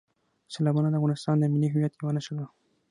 سیلابونه د افغانستان د ملي هویت یوه نښه ده.